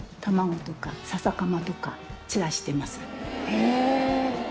へえ！